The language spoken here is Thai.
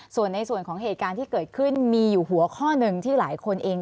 ส่วนในส่วนของเหตุการณ์ที่เกิดขึ้นมีอยู่หัวข้อหนึ่งที่หลายคนเอง